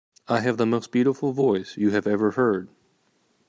I have the most beautiful voice you have ever heard.